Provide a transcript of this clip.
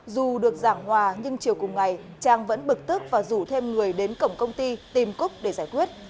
dù được giảng hòa nhưng chiều cùng ngày trang vẫn bực tức và rủ thêm người đến cổng công ty tìm cúc để giải quyết